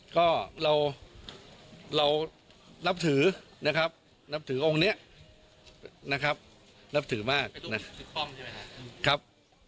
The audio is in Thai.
ก็เรานับถือนะครับนับถือองค์นี้นะครับนับถือมากนะ